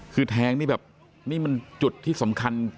คือแทงนี่แบบนี่มันจุดที่สำคัญ